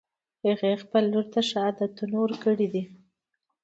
هغې خپلې لور ته ښه عادتونه ورکړي